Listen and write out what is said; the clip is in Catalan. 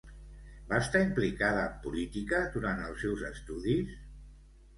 Va estar implicada en política durant els seus estudis?